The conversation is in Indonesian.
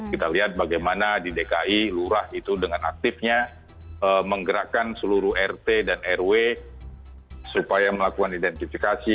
kita lihat bagaimana di dki lurah itu dengan aktifnya menggerakkan seluruh rt dan rw supaya melakukan identifikasi